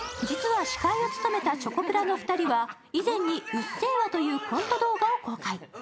実は司会を務めたチョコプラの２人は以前に「うっせぇわ」というコント動画を公開。